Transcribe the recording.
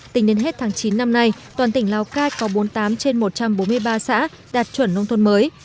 tính đến hết tháng chín năm nay toàn tỉnh lào cai có bốn mươi tám trên một trăm bốn mươi ba xã đạt chuẩn nông thôn mới